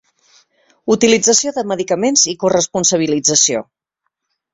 Utilització de medicaments i corresponsabilització.